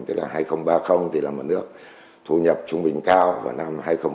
tức là hai nghìn ba mươi thì là một nước thu nhập trung bình cao và năm hai nghìn bốn mươi năm là một nước phát triển